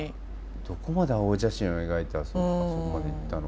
どこまで青写真を描いたらそこまでいったのか。